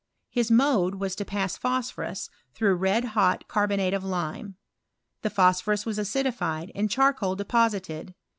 ! mode was to pass phosphorus through red hot ( bonate of lime. The phosphorus was acidified, i charcoal deposited.